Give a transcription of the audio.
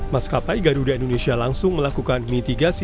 maskapai garuda indonesia langsung melakukan mitigasi